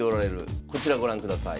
こちらご覧ください。